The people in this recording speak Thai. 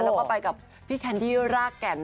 แล้วก็ไปกับพี่แคนดี้รากแก่น